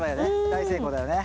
大成功だよね。